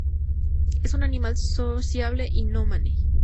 Es un animal sociable y nómade.